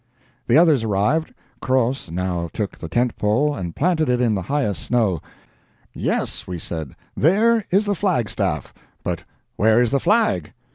The others arrived. Croz now took the tent pole, and planted it in the highest snow. "Yes," we said, "there is the flag staff, but where is the flag?"